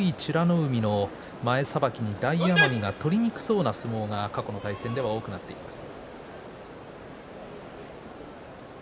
海の前さばきに大奄美が取りにくそうな相撲が過去の対戦では多くなっています。